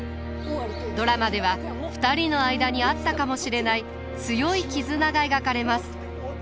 ドラマでは２人の間にあったかもしれない強い絆が描かれます。